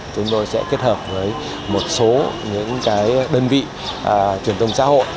chúng tôi sẽ kết hợp với một số những đơn vị truyền thông xã hội